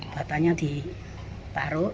batanya di taruh